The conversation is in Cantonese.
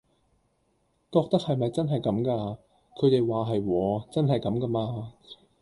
覺得係咪真係咁㗎，佢哋話係喎真係咁㗎嘛